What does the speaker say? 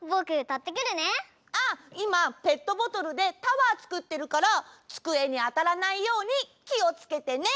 あっいまペットボトルでタワーつくってるからつくえにあたらないようにきをつけてね！